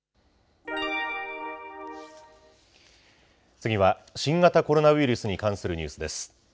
次は、新型コロナウイルスに関するニュースです。